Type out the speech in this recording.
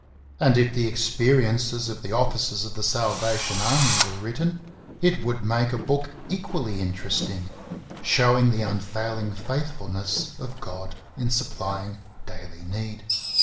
And if the experiences of the officers of The Salvation Army were written, it would make a book equally inter esting, showing the unfailing faithfulness of God in supplying daily need.